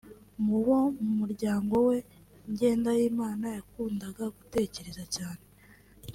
Mu bo mu muryango we Ngendahimana yakundaga gutekereza cyane